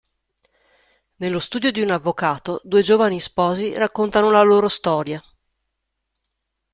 Nello studio di un avvocato due giovani sposi raccontano la loro storia.